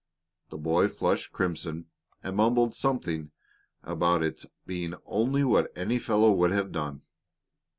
The boy flushed crimson and mumbled something about its being only what any fellow would have done.